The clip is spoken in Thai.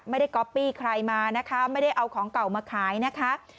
ก๊อปปี้ใครมานะคะไม่ได้เอาของเก่ามาขายนะคะ